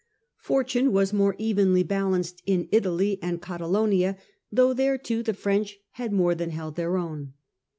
Fortune had been more evenly balanced in Italy and Catalonia, though there too the F rench had more than held their own.